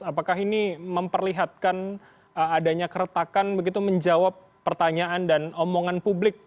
apakah ini memperlihatkan adanya keretakan begitu menjawab pertanyaan dan omongan publik